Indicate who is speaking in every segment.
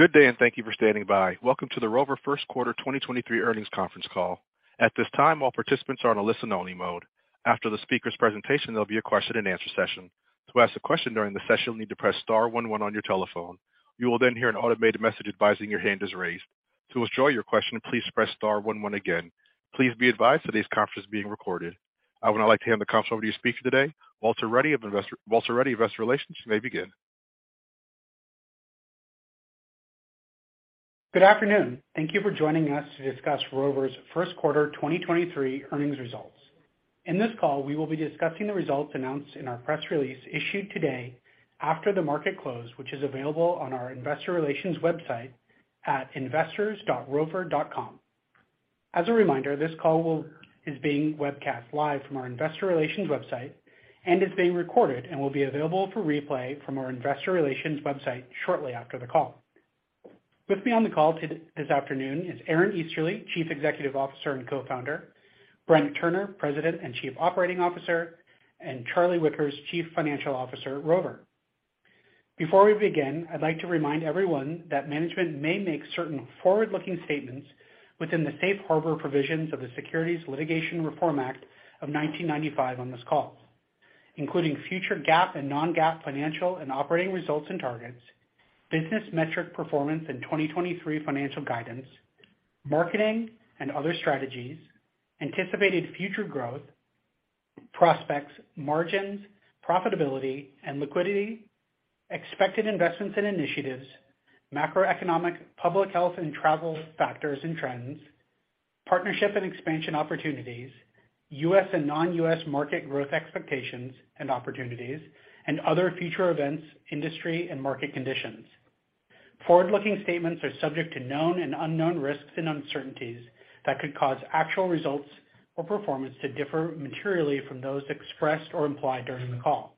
Speaker 1: Good day. Thank you for standing by. Welcome to the Rover first quarter 2023 earnings conference call. At this time, all participants are on a listen-only mode. After the speaker's presentation, there'll be a question-and-answer session. To ask a question during the session, you'll need to press star 1 1 on your telephone. You will then hear an automated message advising your hand is raised. To withdraw your question, please press star 1 1 again. Please be advised today's conference is being recorded. I would now like to hand the conference over to your speaker today, Walter Ruddy, Investor Relations. You may begin.
Speaker 2: Good afternoon. Thank you for joining us to discuss Rover's first quarter 2023 earnings results. In this call, we will be discussing the results announced in our press release issued today after the market close, which is available on our investor relations website at investors.rover.com. As a reminder, this call is being webcast live from our investor relations website and is being recorded and will be available for replay from our investor relations website shortly after the call. With me on the call this afternoon is Aaron Easterly, Chief Executive Officer and Co-founder, Brent Turner, President and Chief Operating Officer, and Charlie Wickers, Chief Financial Officer, Rover. Before we begin, I'd like to remind everyone that management may make certain forward-looking statements within the Safe Harbor provisions of the Private Securities Litigation Reform Act of 1995 on this call, including future GAAP and non-GAAP financial and operating results and targets, business metric performance in 2023 financial guidance, marketing and other strategies, anticipated future growth, prospects, margins, profitability, and liquidity, expected investments and initiatives, macroeconomic, public health, and travel factors and trends, partnership and expansion opportunities, U.S. and non-U.S. market growth expectations and opportunities, and other future events, industry, and market conditions. Forward-looking statements are subject to known and unknown risks and uncertainties that could cause actual results or performance to differ materially from those expressed or implied during the call,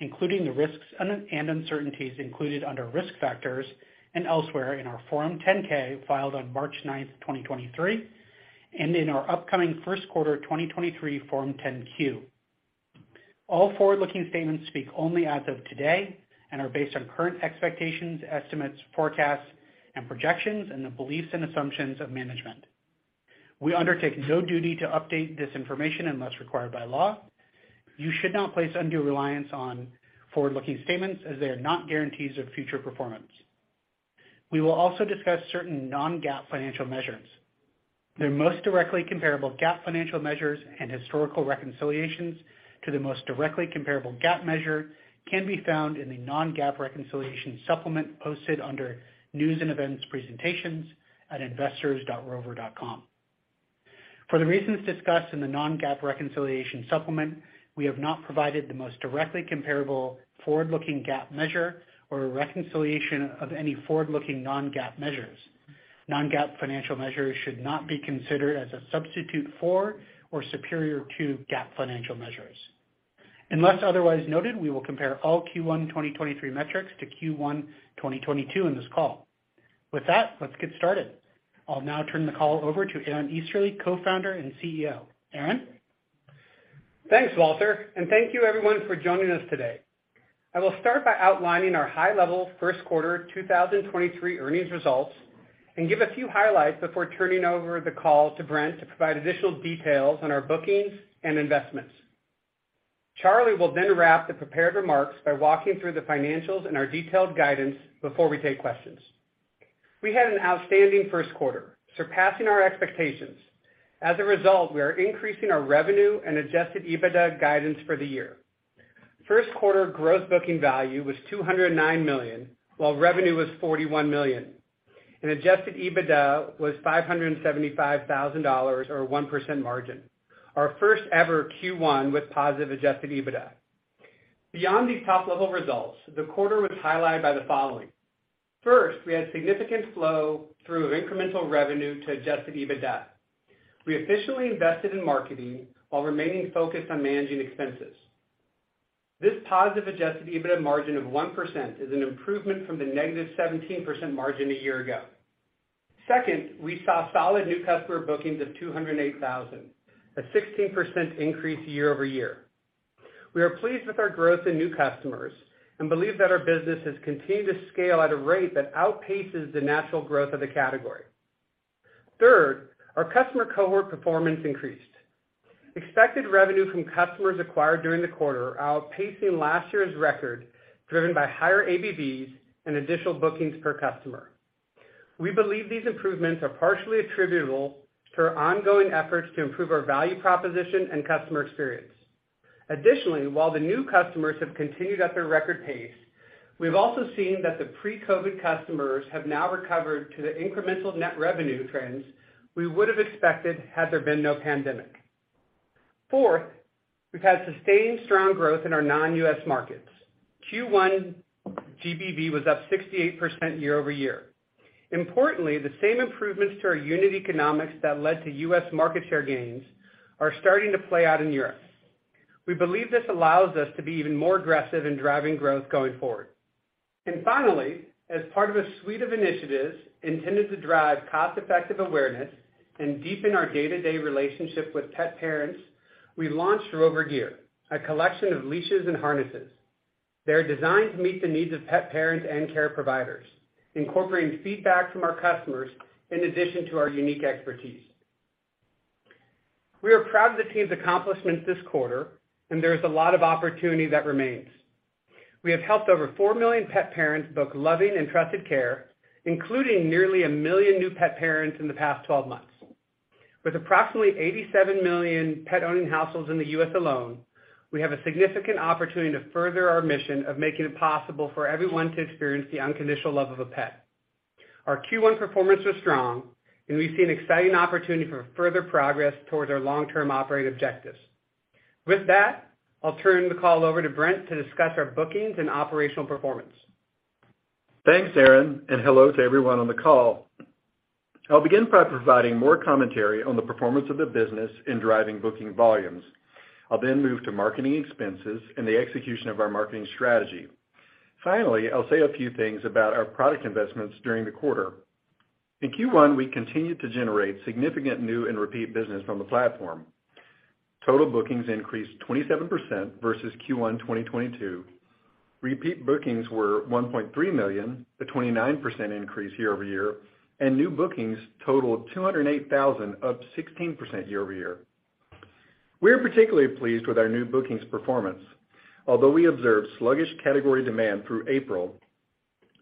Speaker 2: including the risks and uncertainties included under Risk Factors and elsewhere in our Form 10-K filed on March 9, 2023, and in our upcoming first quarter 2023 Form 10-Q. All forward-looking statements speak only as of today and are based on current expectations, estimates, forecasts, and projections and the beliefs and assumptions of management. We undertake no duty to update this information unless required by law. You should not place undue reliance on forward-looking statements as they are not guarantees of future performance. We will also discuss certain non-GAAP financial measures. Their most directly comparable GAAP financial measures and historical reconciliations to the most directly comparable GAAP measure can be found in the non-GAAP reconciliation supplement posted under News & Events, Presentations at investors.rover.com. For the reasons discussed in the non-GAAP reconciliation supplement, we have not provided the most directly comparable forward-looking GAAP measure or a reconciliation of any forward-looking non-GAAP measures. Non-GAAP financial measures should not be considered as a substitute for or superior to GAAP financial measures. Unless otherwise noted, we will compare all Q1 2023 metrics to Q1 2022 in this call. With that, let's get started. I'll now turn the call over to Aaron Easterly, Co-founder and CEO. Aaron?
Speaker 3: Thanks, Walter. Thank you everyone for joining us today. I will start by outlining our high-level first quarter 2023 earnings results and give a few highlights before turning over the call to Brent to provide additional details on our bookings and investments. Charlie will wrap the prepared remarks by walking through the financials and our detailed guidance before we take questions. We had an outstanding first quarter, surpassing our expectations. As a result, we are increasing our revenue and adjusted EBITDA guidance for the year. First quarter gross booking value was $209 million, while revenue was $41 million, and adjusted EBITDA was $575,000 or 1% margin, our first ever Q1 with positive adjusted EBITDA. Beyond these top-level results, the quarter was highlighted by the following. First, we had significant flow through of incremental revenue to adjusted EBITDA. We officially invested in marketing while remaining focused on managing expenses. This positive adjusted EBITDA margin of 1% is an improvement from the negative 17% margin a year ago. Second, we saw solid new customer bookings of 208,000, a 16% increase year-over-year. We are pleased with our growth in new customers and believe that our business has continued to scale at a rate that outpaces the natural growth of the category. Third, our customer cohort performance increased. Expected revenue from customers acquired during the quarter are outpacing last year's record, driven by higher ABVs and additional bookings per customer. We believe these improvements are partially attributable to our ongoing efforts to improve our value proposition and customer experience. Additionally, while the new customers have continued at their record pace, we've also seen that the pre-COVID customers have now recovered to the incremental net revenue trends we would have expected had there been no pandemic. Fourth, we've had sustained strong growth in our non-U.S. markets. Q1 GBV was up 68% year-over-year. Importantly, the same improvements to our unit economics that led to U.S. market share gains are starting to play out in Europe. We believe this allows us to be even more aggressive in driving growth going forward. Finally, as part of a suite of initiatives intended to drive cost-effective awareness and deepen our day-to-day relationship with pet parents. We launched Rover Gear, a collection of leashes and harnesses. They are designed to meet the needs of pet parents and care providers, incorporating feedback from our customers in addition to our unique expertise. We are proud of the team's accomplishments this quarter. There is a lot of opportunity that remains. We have helped over $4 million pet parents book loving and trusted care, including nearly $1 million new pet parents in the past 12 months. With approximately $87 million pet-owning households in the US alone, we have a significant opportunity to further our mission of making it possible for everyone to experience the unconditional love of a pet. Our Q1 performance was strong, and we see an exciting opportunity for further progress towards our long-term operating objectives. With that, I'll turn the call over to Brent to discuss our bookings and operational performance.
Speaker 4: Thanks, Aaron. Hello to everyone on the call. I'll begin by providing more commentary on the performance of the business in driving booking volumes. I'll then move to marketing expenses and the execution of our marketing strategy. Finally, I'll say a few things about our product investments during the quarter. In Q1, we continued to generate significant new and repeat business from the platform. Total bookings increased 27% versus Q1 2022. Repeat bookings were 1.3 million, a 29% increase year-over-year, and new bookings totaled 208,000, up 16% year-over-year. We are particularly pleased with our new bookings performance. Although we observed sluggish category demand through April,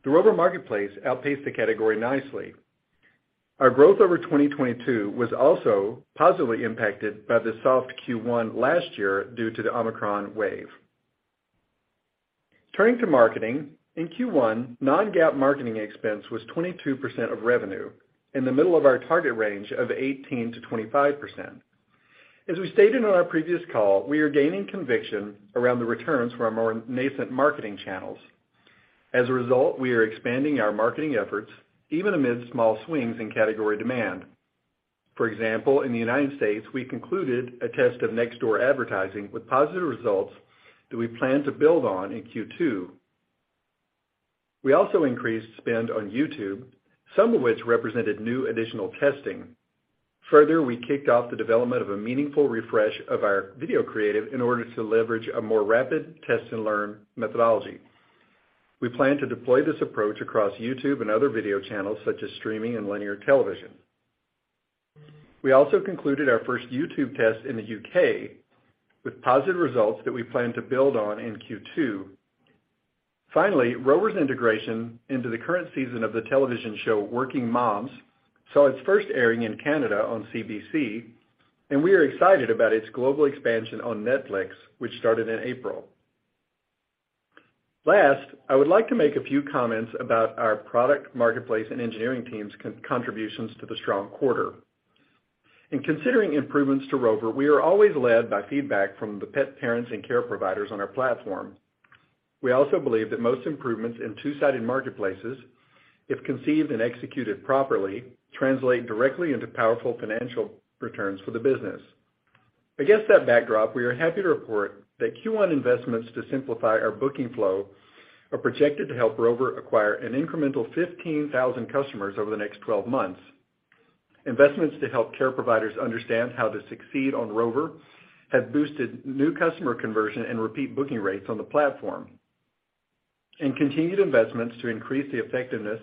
Speaker 4: the Rover marketplace outpaced the category nicely. Our growth over 2022 was also positively impacted by the soft Q1 last year due to the Omicron wave. Turning to marketing, in Q1, non-GAAP marketing expense was 22% of revenue, in the middle of our target range of 18%-25%. As we stated on our previous call, we are gaining conviction around the returns for our more nascent marketing channels. As a result, we are expanding our marketing efforts even amid small swings in category demand. For example, in the United States, we concluded a test of Nextdoor advertising with positive results that we plan to build on in Q2. We also increased spend on YouTube, some of which represented new additional testing. Further, we kicked off the development of a meaningful refresh of our video creative in order to leverage a more rapid test-and-learn methodology. We plan to deploy this approach across YouTube and other video channels such as streaming and linear television. We also concluded our first YouTube test in the U.K. with positive results that we plan to build on in Q2. Rover's integration into the current season of the television show Workin' Moms saw its first airing in Canada on CBC, and we are excited about its global expansion on Netflix, which started in April. Last, I would like to make a few comments about our product marketplace and engineering team's contributions to the strong quarter. In considering improvements to Rover, we are always led by feedback from the pet parents and care providers on our platform. We also believe that most improvements in two-sided marketplaces, if conceived and executed properly, translate directly into powerful financial returns for the business. Against that backdrop, we are happy to report that Q1 investments to simplify our booking flow are projected to help Rover acquire an incremental 15,000 customers over the next 12 months. Investments to help care providers understand how to succeed on Rover have boosted new customer conversion and repeat booking rates on the platform. Continued investments to increase the effectiveness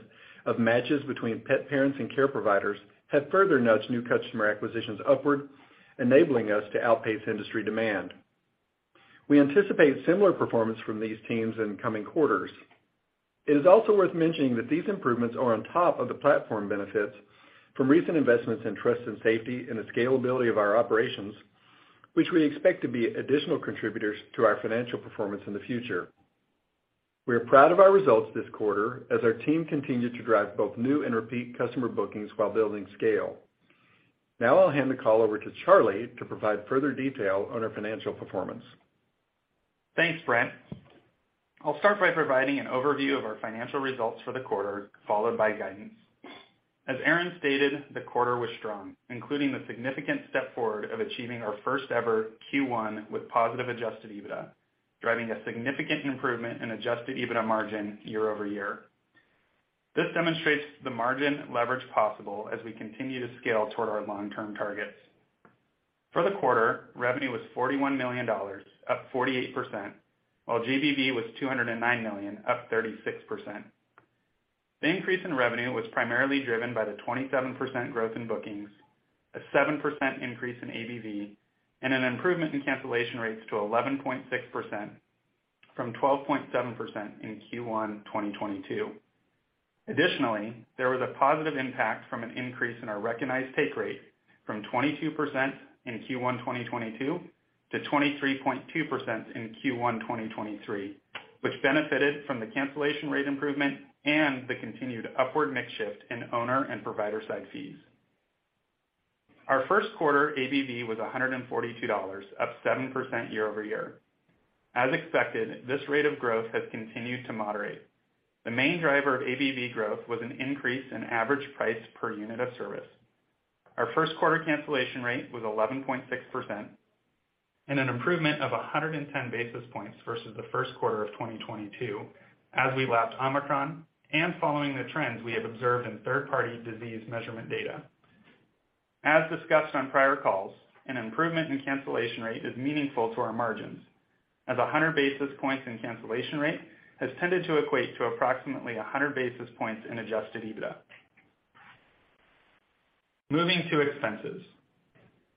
Speaker 4: of matches between pet parents and care providers have further nudged new customer acquisitions upward, enabling us to outpace industry demand. We anticipate similar performance from these teams in coming quarters. It is also worth mentioning that these improvements are on top of the platform benefits from recent investments in trust and safety and the scalability of our operations, which we expect to be additional contributors to our financial performance in the future. We are proud of our results this quarter as our team continued to drive both new and repeat customer bookings while building scale. Now I'll hand the call over to Charlie to provide further detail on our financial performance.
Speaker 5: Thanks, Brent. I'll start by providing an overview of our financial results for the quarter, followed by guidance. As Aaron stated, the quarter was strong, including the significant step forward of achieving our first ever Q1 with positive adjusted EBITDA, driving a significant improvement in adjusted EBITDA margin year-over-year. This demonstrates the margin leverage possible as we continue to scale toward our long-term targets. For the quarter, revenue was $41 million, up 48%, while GBV was $209 million, up 36%. The increase in revenue was primarily driven by the 27% growth in bookings, a 7% increase in ABV, and an improvement in cancellation rates to 11.6% from 12.7% in Q1 2022. Additionally, there was a positive impact from an increase in our recognized take rate from 22% in Q1 2022 to 23.2% in Q1 2023, which benefited from the cancellation rate improvement and the continued upward mix shift in owner and provider side fees. Our first quarter ABV was $142, up 7% year-over-year. As expected, this rate of growth has continued to moderate. The main driver of ABV growth was an increase in average price per unit of service. Our first quarter cancellation rate was 11.6% and an improvement of 110 basis points versus the first quarter of 2022 as we lapped Omicron and following the trends we have observed in third-party disease measurement data. As discussed on prior calls, an improvement in cancellation rate is meaningful to our margins, as 100 basis points in cancellation rate has tended to equate to approximately 100 basis points in adjusted EBITDA. Moving to expenses.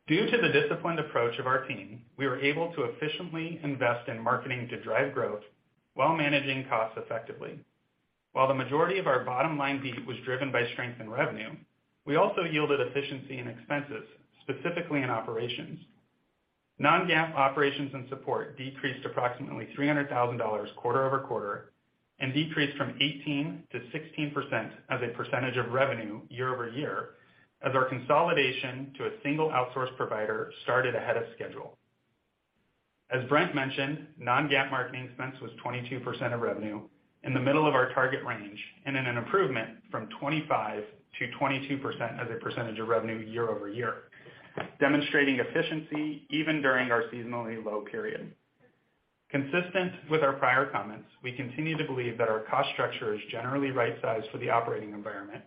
Speaker 5: Due to the disciplined approach of our team, we were able to efficiently invest in marketing to drive growth while managing costs effectively. While the majority of our bottom line beat was driven by strength in revenue, we also yielded efficiency in expenses, specifically in operations. Non-GAAP operations and support decreased approximately $300,000 quarter-over-quarter and decreased from 18%-16% as a percentage of revenue year-over-year as our consolidation to a single outsource provider started ahead of schedule. As Brent mentioned, non-GAAP marketing expense was 22% of revenue in the middle of our target range and in an improvement from 25%-22% as a percentage of revenue year-over-year, demonstrating efficiency even during our seasonally low period. Consistent with our prior comments, we continue to believe that our cost structure is generally right-sized for the operating environment,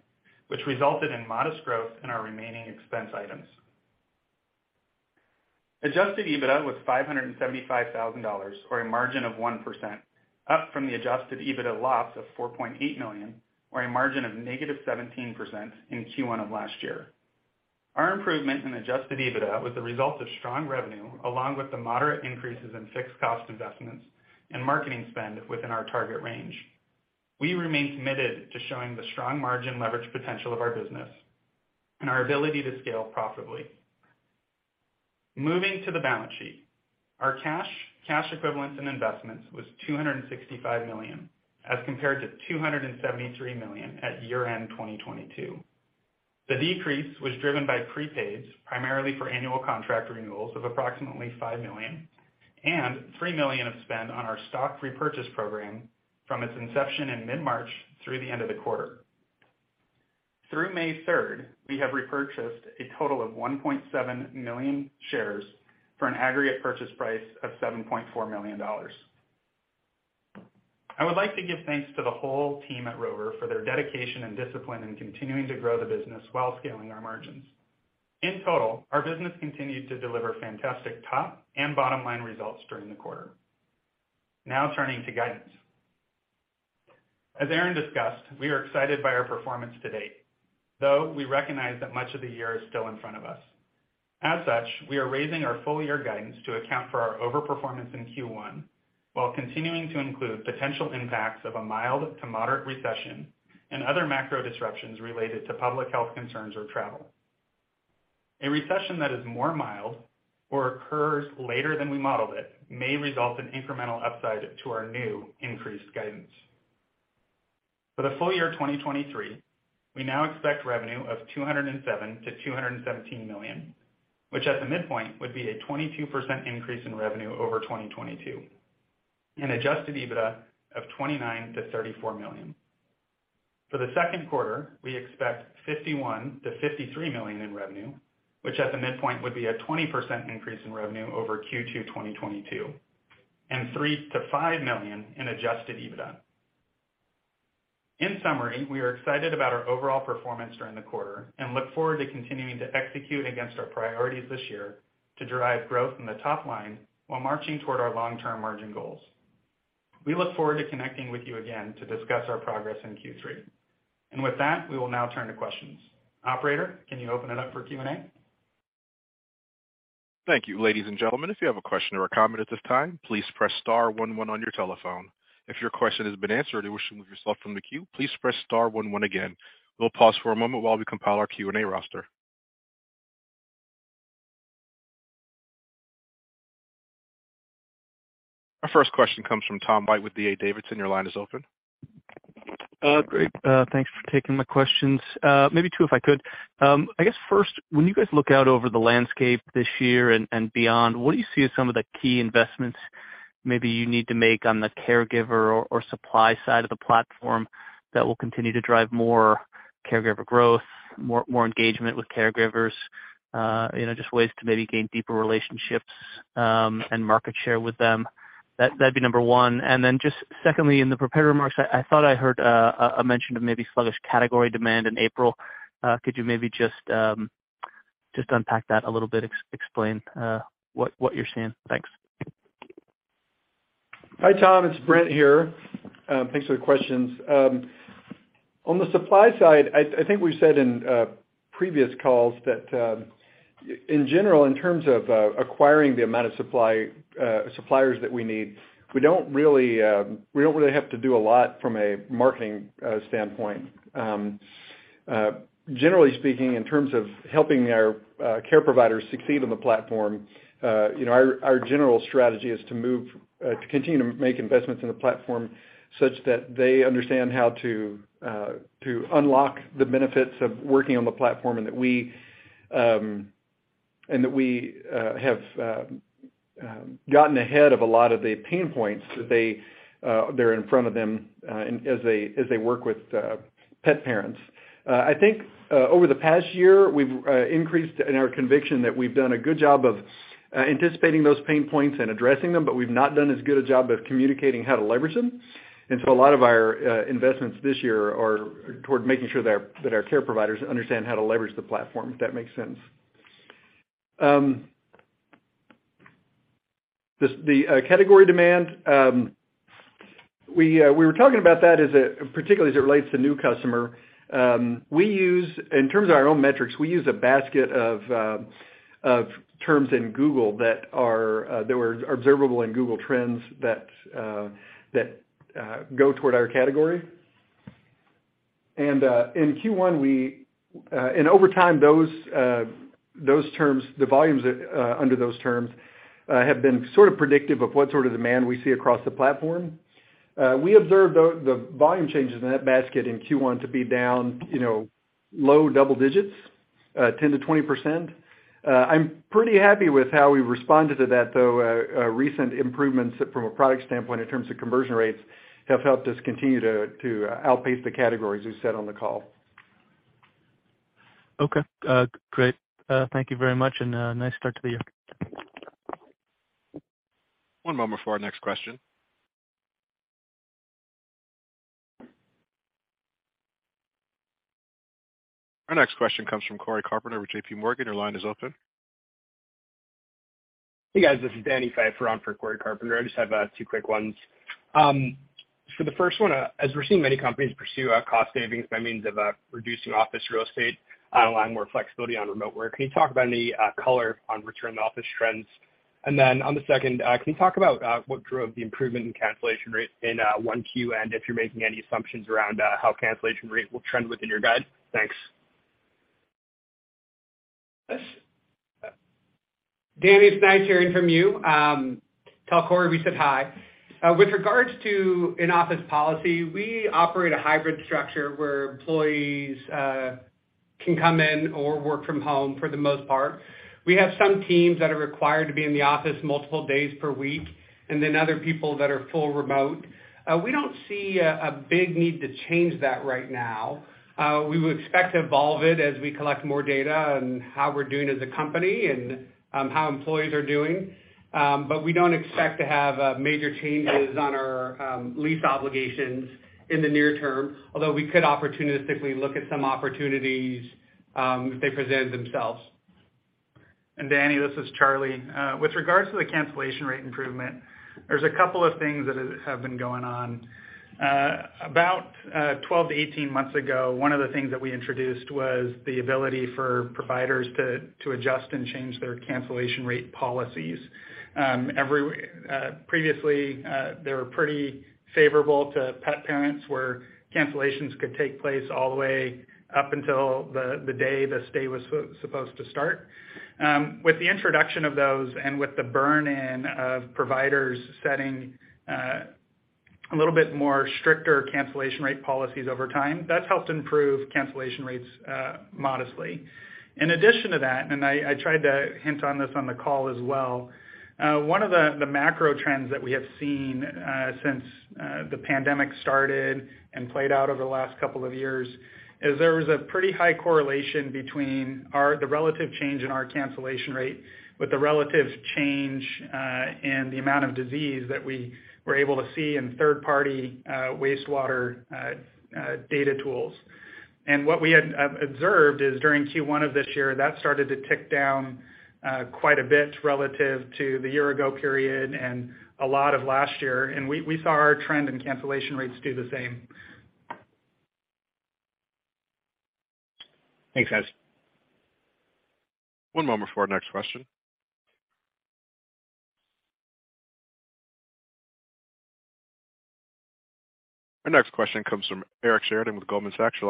Speaker 5: which resulted in modest growth in our remaining expense items. Adjusted EBITDA was $575,000, or a margin of 1%, up from the adjusted EBITDA loss of $4.8 million, or a margin of negative 17% in Q1 of last year. Our improvement in adjusted EBITDA was the result of strong revenue, along with the moderate increases in fixed cost investments and marketing spend within our target range. We remain committed to showing the strong margin leverage potential of our business and our ability to scale profitably. Moving to the balance sheet. Our cash equivalents, and investments was $265 million as compared to $273 million at year-end 2022. The decrease was driven by prepaids primarily for annual contract renewals of approximately $5 million and $3 million of spend on our stock repurchase program from its inception in mid-March through the end of the quarter. Through May 3rd, we have repurchased a total of 1.7 million shares for an aggregate purchase price of $7.4 million. I would like to give thanks to the whole team at Rover for their dedication and discipline in continuing to grow the business while scaling our margins. In total, our business continued to deliver fantastic top and bottom-line results during the quarter. Turning to guidance. As Aaron discussed, we are excited by our performance to date, though we recognize that much of the year is still in front of us. We are raising our full year guidance to account for our overperformance in Q1 while continuing to include potential impacts of a mild to moderate recession and other macro disruptions related to public health concerns or travel. A recession that is more mild or occurs later than we modeled it may result in incremental upside to our new increased guidance. For the full year 2023, we now expect revenue of $207 million-$217 million, which at the midpoint would be a 22% increase in revenue over 2022, and adjusted EBITDA of $29 million-$34 million. For the second quarter, we expect $51 million-$53 million in revenue, which at the midpoint would be a 20% increase in revenue over Q2 2022, and $3 million-$5 million in adjusted EBITDA. In summary, we are excited about our overall performance during the quarter and look forward to continuing to execute against our priorities this year to derive growth in the top line while marching toward our long-term margin goals. We look forward to connecting with you again to discuss our progress in Q3. With that, we will now turn to questions. Operator, can you open it up for Q&A?
Speaker 1: Thank you. Ladies and gentlemen, if you have a question or a comment at this time, please press star 11 on your telephone. If your question has been answered and you're wishing to remove yourself from the queue, please press star 11 again. We'll pause for a moment while we compile our Q&A roster. Our first question comes from Tom White with D.A. Davidson. Your line is open.
Speaker 6: Great. Thanks for taking my questions. Maybe two, if I could. I guess first, when you guys look out over the landscape this year and beyond, what do you see as some of the key investments maybe you need to make on the caregiver or supply side of the platform that will continue to drive more caregiver growth, more engagement with caregivers, you know, just ways to maybe gain deeper relationships, and market share with them? That'd be number one. Just secondly, in the prepared remarks, I thought I heard a mention of maybe sluggish category demand in April. Could you maybe just unpack that a little bit, explain what you're seeing? Thanks.
Speaker 4: Hi, Tom. It's Brent here. Thanks for the questions. On the supply side, I think we've said in previous calls that in general, in terms of acquiring the amount of supply suppliers that we need, we don't really have to do a lot from a marketing standpoint. Generally speaking, in terms of helping our care providers succeed on the platform, you know, our general strategy is to move to continue to make investments in the platform such that they understand how to unlock the benefits of working on the platform and that we have gotten ahead of a lot of the pain points that they're in front of them as they work with pet parents. I think, over the past year, we've increased in our conviction that we've done a good job of anticipating those pain points and addressing them, but we've not done as good a job of communicating how to leverage them. A lot of our investments this year are toward making sure that our care providers understand how to leverage the platform, if that makes sense. The category demand, we were talking about that as it, particularly as it relates to new customer. In terms of our own metrics, we use a basket of terms in Google that are that were observable in Google Trends that go toward our category. In Q1, we and over time, those terms, the volumes under those terms have been sort of predictive of what sort of demand we see across the platform. We observed the volume changes in that basket in Q1 to be down, you know, low double digits, 10%-20%. I'm pretty happy with how we responded to that, though. Recent improvements from a product standpoint in terms of conversion rates have helped us continue to outpace the categories we've set on the call.
Speaker 6: Okay. Great. Thank you very much, and nice start to the year.
Speaker 1: One moment for our next question. Our next question comes from Cory Carpenter with J.P. Morgan. Your line is open.
Speaker 7: Hey, guys. This is Danny Pfeiffer on for Cory Carpenter. I just have two quick ones. For the first one, as we're seeing many companies pursue cost savings by means of reducing office real estate and allowing more flexibility on remote work, can you talk about any color on return to office trends? On the second, can you talk about what drove the improvement in cancellation rates in 1Q, and if you're making any assumptions around how cancellation rate will trend within your guide? Thanks.
Speaker 3: Danny, it's nice hearing from you. Tell Cory we said hi. With regards to in-office policy, we operate a hybrid structure where employees can come in or work from home for the most part. We have some teams that are required to be in the office multiple days per week, then other people that are full remote. We don't see a big need to change that right now. We would expect to evolve it as we collect more data on how we're doing as a company and how employees are doing. We don't expect to have major changes on our lease obligations in the near term, although we could opportunistically look at some opportunities if they presented themselves.
Speaker 5: Danny, this is Charlie. With regards to the cancellation rate improvement, there's a couple of things that have been going on. About 12 to 18 months ago, one of the things that we introduced was the ability for providers to adjust and change their cancellation rate policies. Previously, they were pretty favorable to pet parents, where cancellations could take place all the way up until the day the stay was supposed to start. With the introduction of those and with the burn-in of providers setting a little bit more stricter cancellation rate policies over time, that's helped improve cancellation rates modestly. In addition to that, and I tried to hint on this on the call as well, one of the macro trends that we have seen since the pandemic started and played out over the last couple of years is there was a pretty high correlation between the relative change in our cancellation rate with the relative change in the amount of disease that we were able to see in third party wastewater data tools. What we had observed is during Q1 of this year, that started to tick down quite a bit relative to the year ago period and a lot of last year. We saw our trend in cancellation rates do the same.
Speaker 7: Thanks, guys.
Speaker 1: One moment for our next question. Our next question comes from Eric Sheridan with Goldman Sachs. Your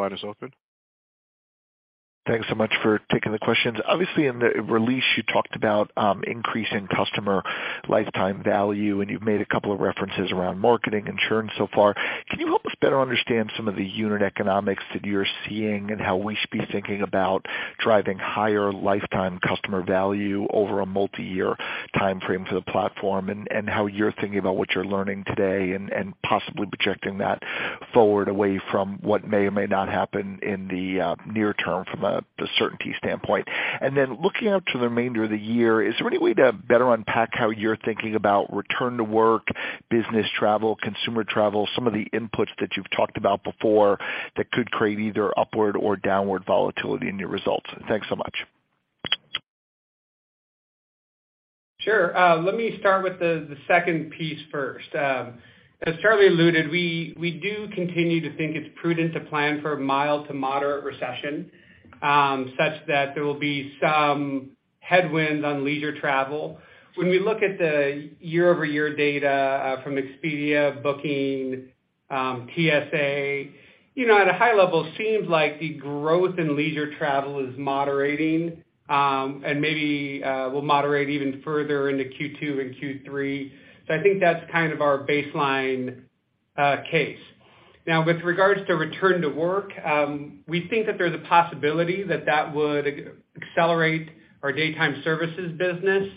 Speaker 1: line is open.
Speaker 8: Thanks so much for taking the questions. Obviously, in the release you talked about increasing customer lifetime value, and you've made a couple of references around marketing insurance so far. Can you help us better understand some of the unit economics that you're seeing and how we should be thinking about driving higher lifetime customer value over a multiyear timeframe for the platform, and how you're thinking about what you're learning today and possibly projecting that forward away from what may or may not happen in the near term from a certainty standpoint? Looking out to the remainder of the year, is there any way to better unpack how you're thinking about return to work, business travel, consumer travel, some of the inputs that you've talked about before that could create either upward or downward volatility in your results? Thanks so much.
Speaker 3: Sure. Let me start with the second piece first. As Charlie alluded, we do continue to think it's prudent to plan for a mild to moderate recession, such that there will be some headwinds on leisure travel. When we look at the year-over-year data from Expedia, Booking.com, TSA, you know, at a high level, seems like the growth in leisure travel is moderating, and maybe will moderate even further into Q2 and Q3. I think that's kind of our baseline case. Now, with regards to return to work, we think that there's a possibility that that would accelerate our daytime services business,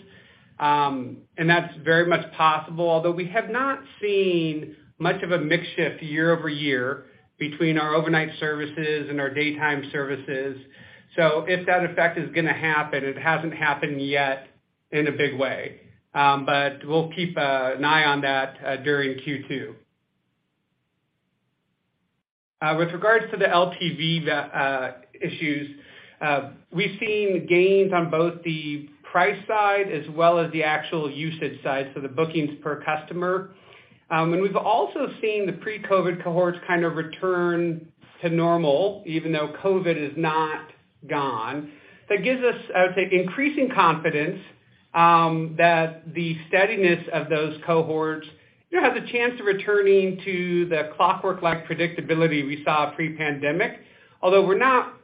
Speaker 3: and that's very much possible. Although we have not seen much of a mix shift year-over-year between our overnight services and our daytime services. If that effect is gonna happen, it hasn't happened yet in a big way. We'll keep an eye on that during Q2. With regards to the LTV issues, we've seen gains on both the price side as well as the actual usage side, so the bookings per customer. We've also seen the pre-COVID cohorts kind of return to normal even though COVID is not gone. That gives us, I would say, increasing confidence that the steadiness of those cohorts, you know, has a chance of returning to the clockwork-like predictability we saw pre-pandemic. We're not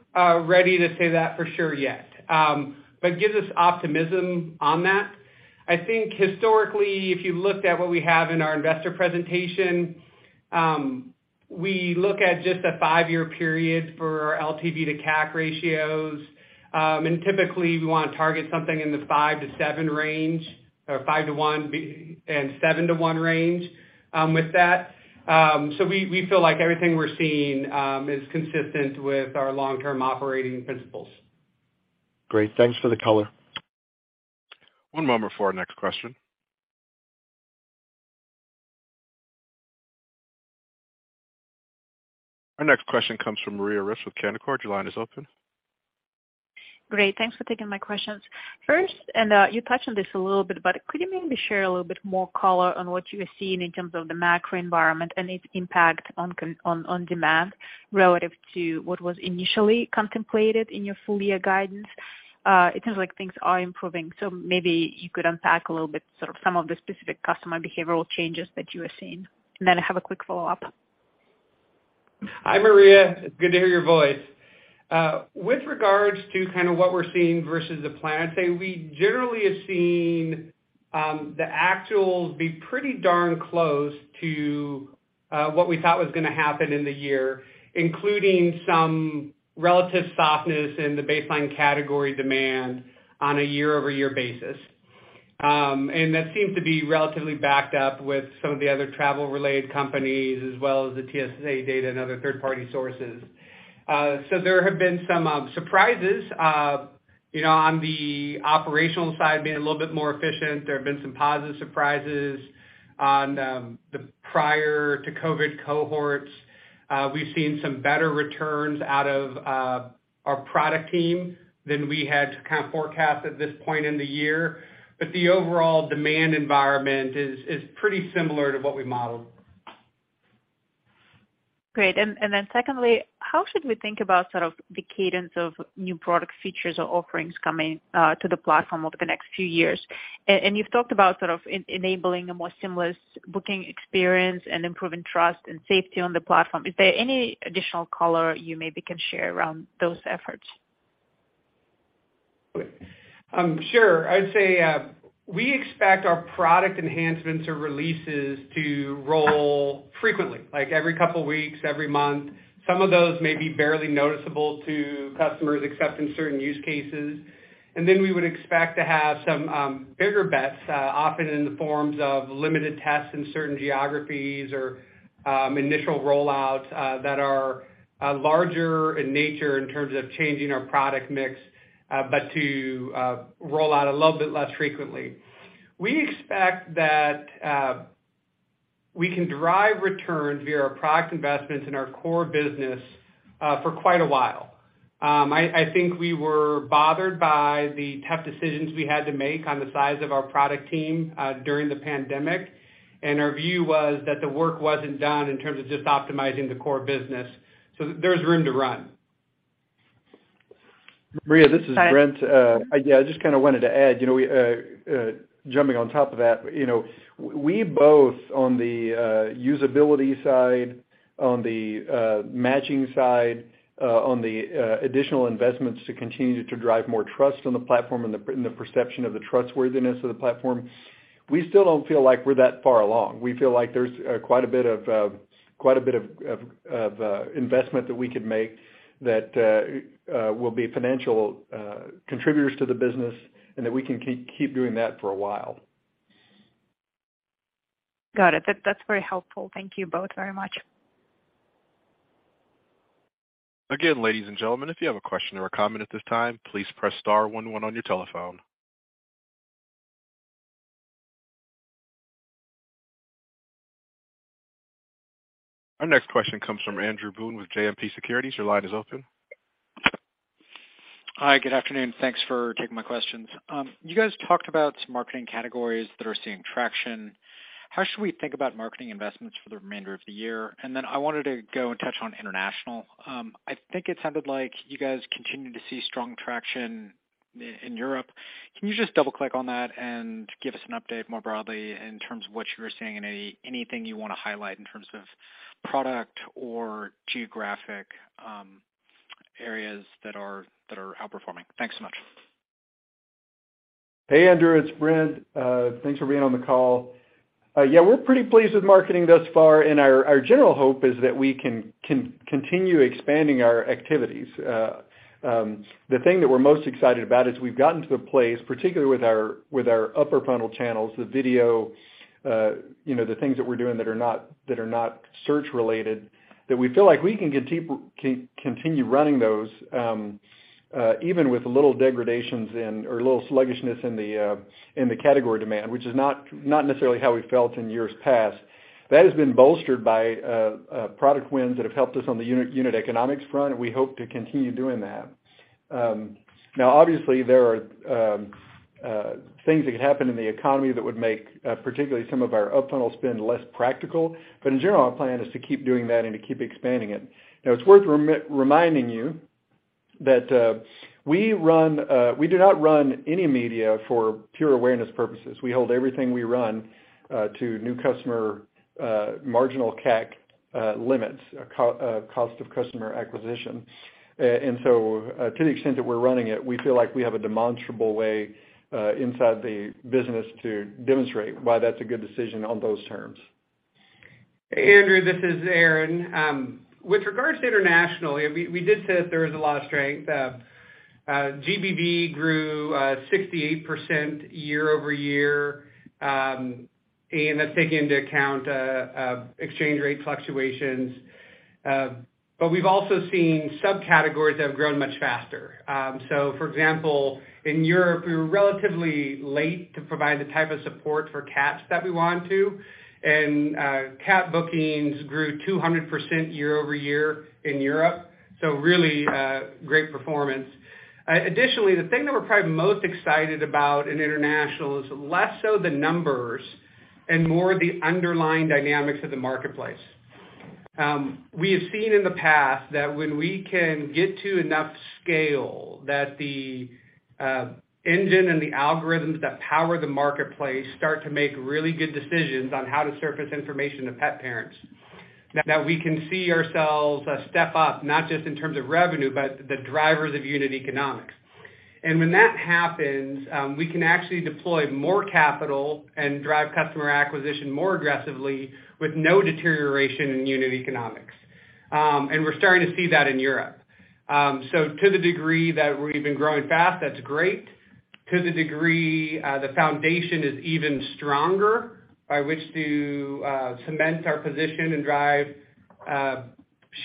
Speaker 3: ready to say that for sure yet. It gives us optimism on that. I think historically, if you looked at what we have in our investor presentation, we look at just a five-year period for LTV to CAC ratios. Typically we wanna target something in the five to seven range or five to one and seven to one range, with that. We, we feel like everything we're seeing, is consistent with our long-term operating principles.
Speaker 4: Great. Thanks for the color.
Speaker 1: One moment for our next question. Our next question comes from Maria Ripps with Canaccord. Your line is open.
Speaker 9: Great. Thanks for taking my questions. First, and you touched on this a little bit, but could you maybe share a little bit more color on what you are seeing in terms of the macro environment and its impact on demand relative to what was initially contemplated in your full year guidance? It sounds like things are improving, so maybe you could unpack a little bit, sort of some of the specific customer behavioral changes that you are seeing. Then I have a quick follow-up.
Speaker 3: Hi, Maria. It's good to hear your voice. With regards to kinda what we're seeing versus the plan, I'd say we generally have seen the actuals be pretty darn close to what we thought was gonna happen in the year, including some relative softness in the baseline category demand on a year-over-year basis. That seems to be relatively backed up with some of the other travel-related companies as well as the TSA data and other third party sources. There have been some surprises, you know, on the operational side, being a little bit more efficient. There have been some positive surprises on the prior to COVID cohorts. We've seen some better returns out of our product team than we had kind of forecast at this point in the year. The overall demand environment is pretty similar to what we modeled.
Speaker 9: Great. Then secondly, how should we think about sort of the cadence of new product features or offerings coming to the platform over the next few years? You've talked about sort of enabling a more seamless booking experience and improving trust and safety on the platform. Is there any additional color you maybe can share around those efforts?
Speaker 3: Sure. I'd say, we expect our product enhancements or releases to roll frequently, like every couple weeks, every month. Some of those may be barely noticeable to customers except in certain use cases. We would expect to have some bigger bets often in the forms of limited tests in certain geographies or initial rollouts that are larger in nature in terms of changing our product mix, but to roll out a little bit less frequently. We expect that we can drive returns via our product investments in our core business for quite a while. I think we were bothered by the tough decisions we had to make on the size of our product team during the pandemic. Our view was that the work wasn't done in terms of just optimizing the core business. There's room to run.
Speaker 4: Maria, this is Brent.
Speaker 9: Hi.
Speaker 4: I, yeah, I just kind of wanted to add, you know, we, jumping on top of that, you know, we both on the usability side, on the matching side, on the additional investments to continue to drive more trust on the platform and the perception of the trustworthiness of the platform, we still don't feel like we're that far along. We feel like there's quite a bit of investment that we could make that will be financial contributors to the business and that we can keep doing that for a while.
Speaker 9: Got it. That's very helpful. Thank you both very much.
Speaker 1: Again, ladies and gentlemen, if you have a question or a comment at this time, please press star one one on your telephone. Our next question comes from Andrew Boone with JMP Securities. Your line is open.
Speaker 10: Hi, good afternoon. Thanks for taking my questions. You guys talked about some marketing categories that are seeing traction. How should we think about marketing investments for the remainder of the year? I wanted to go and touch on international. I think it sounded like you guys continue to see strong traction in Europe. Can you just double-click on that and give us an update more broadly in terms of what you are seeing and anything you wanna highlight in terms of product or geographic areas that are outperforming? Thanks so much.
Speaker 4: Hey, Andrew. It's Brent. Thanks for being on the call. Yeah, we're pretty pleased with marketing thus far and our general hope is that we can continue expanding our activities. The thing that we're most excited about is we've gotten to a place, particularly with our upper funnel channels, the video, you know, the things that we're doing that are not search related, that we feel like we can get people continue running those, even with a little degradations in or a little sluggishness in the category demand, which is not necessarily how we felt in years past. That has been bolstered by product wins that have helped us on the unit economics front, and we hope to continue doing that. Now obviously there are things that could happen in the economy that would make particularly some of our up-funnel spend less practical. In general, our plan is to keep doing that and to keep expanding it. It's worth reminding you that we run, we do not run any media for pure awareness purposes. We hold everything we run to new customer, marginal CAC, limits, cost of customer acquisition. To the extent that we're running it, we feel like we have a demonstrable way inside the business to demonstrate why that's a good decision on those terms.
Speaker 3: Andrew, this is Aaron. With regards to internationally, we did say that there was a lot of strength. GBV grew 68% year-over-year, and that's taking into account exchange rate fluctuations. We've also seen subcategories that have grown much faster. For example, in Europe, we were relatively late to provide the type of support for cats that we wanted to. Cat bookings grew 200% year-over-year in Europe, really great performance. Additionally, the thing that we're probably most excited about in international is less so the numbers and more the underlying dynamics of the marketplace. We have seen in the past that when we can get to enough scale that the engine and the algorithms that power the marketplace start to make really good decisions on how to surface information to pet parents, that we can see ourselves step up, not just in terms of revenue, but the drivers of unit economics. When that happens, we can actually deploy more capital and drive customer acquisition more aggressively with no deterioration in unit economics. We're starting to see that in Europe. To the degree that we've been growing fast, that's great. To the degree, the foundation is even stronger, by which to cement our position and drive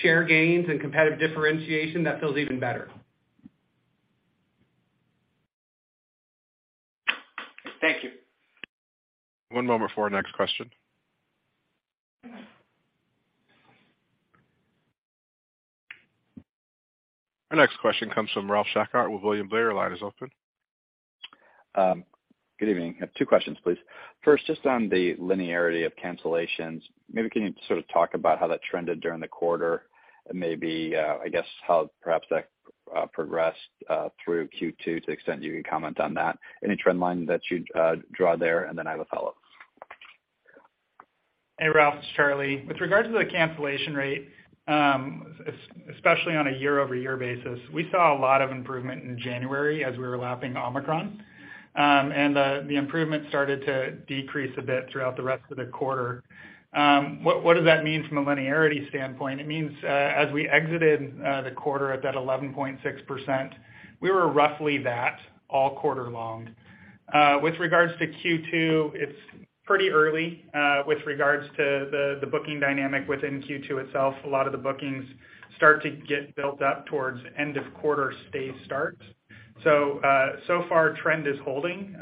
Speaker 3: share gains and competitive differentiation, that feels even better.
Speaker 10: Thank you.
Speaker 1: One moment for our next question. Our next question comes from Ralph Schackart with William Blair. Line is open.
Speaker 11: Good evening. I have 2 questions, please. First, just on the linearity of cancellations, maybe can you sort of talk about how that trended during the quarter and maybe, I guess how perhaps that progressed through Q2 to the extent you can comment on that? Any trend line that you'd draw there, and then I have a follow-up.
Speaker 5: Hey, Ralph, it's Charlie. With regards to the cancellation rate, especially on a year-over-year basis, we saw a lot of improvement in January as we were lapping Omicron. The improvement started to decrease a bit throughout the rest of the quarter. What does that mean from a linearity standpoint? It means, as we exited the quarter at that 11.6%, we were roughly that all quarter-long. With regards to Q2, it's pretty early with regards to the booking dynamic within Q2 itself. A lot of the bookings start to get built up towards end of quarter stay starts. So far trend is holding,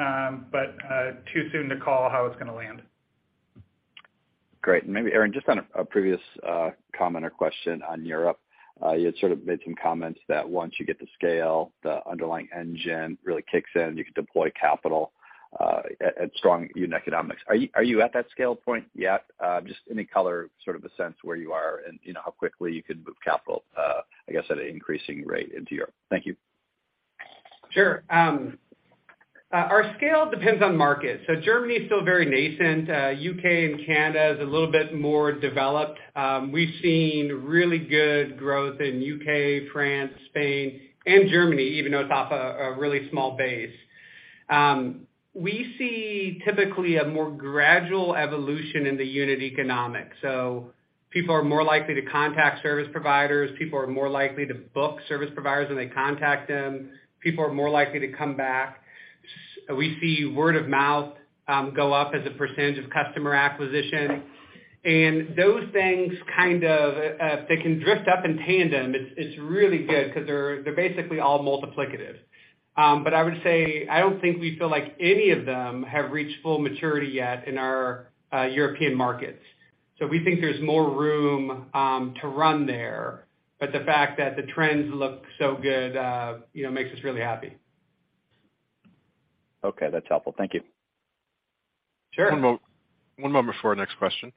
Speaker 5: but too soon to call how it's gonna land.
Speaker 11: Great. Maybe Aaron, just on a previous comment or question on Europe, you had sort of made some comments that once you get to scale, the underlying engine really kicks in. You can deploy capital at strong unit economics. Are you at that scale point yet? Just any color, sort of a sense where you are and you know, how quickly you can move capital, I guess at an increasing rate into Europe. Thank you.
Speaker 3: Sure. Our scale depends on market. Germany is still very nascent. U.K. and Canada is a little bit more developed. We've seen really good growth in U.K., France, Spain, and Germany, even though it's off a really small base. We see typically a more gradual evolution in the unit economics. People are more likely to contact service providers. People are more likely to book service providers when they contact them. People are more likely to come back. We see word of mouth go up as a percentage of customer acquisition. Those things kind of, they can drift up in tandem. It's really good because they're basically all multiplicative. I would say, I don't think we feel like any of them have reached full maturity yet in our European markets. We think there's more room to run there. The fact that the trends look so good, you know, makes us really happy.
Speaker 11: Okay, that's helpful. Thank you.
Speaker 3: Sure.
Speaker 1: One moment for our next question.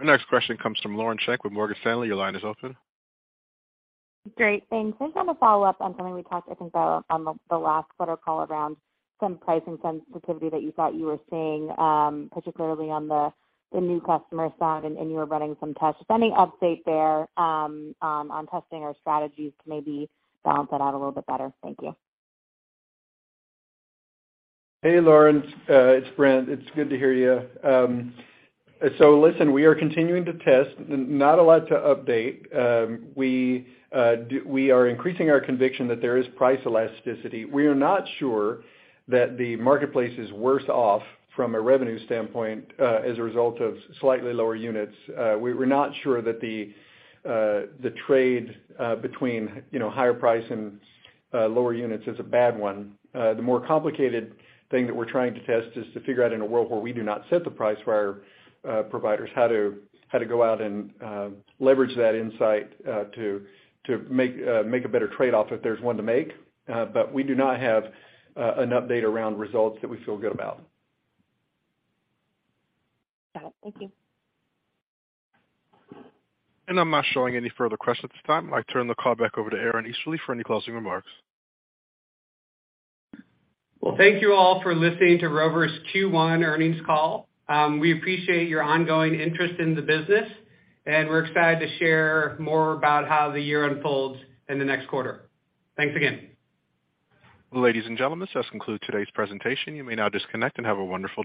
Speaker 1: Our next question comes from Lauren Schenk with Morgan Stanley. Your line is open.
Speaker 12: Great, thanks. I just wanna follow up on something we talked, I think, on the last quarter call around some pricing sensitivity that you thought you were seeing, particularly on the new customer side and you were running some tests. Just any update there, on testing or strategies to maybe balance that out a little bit better? Thank you.
Speaker 4: Hey, Lauren. It's Brent. It's good to hear you. Listen, we are continuing to test. Not a lot to update. We are increasing our conviction that there is price elasticity. We are not sure that the marketplace is worse off from a revenue standpoint, as a result of slightly lower units. We're not sure that the trade, between, you know, higher price and lower units is a bad one. The more complicated thing that we're trying to test is to figure out in a world where we do not set the price for our providers, how to go out and leverage that insight to make a better trade-off if there's one to make. We do not have an update around results that we feel good about.
Speaker 12: Got it. Thank you.
Speaker 1: I'm not showing any further questions at this time. I turn the call back over to Aaron Easterly for any closing remarks.
Speaker 3: Thank you all for listening to Rover's Q1 earnings call. We appreciate your ongoing interest in the business, and we're excited to share more about how the year unfolds in the next quarter. Thanks again.
Speaker 1: Ladies and gentlemen, this does conclude today's presentation. You may now disconnect and have a wonderful day.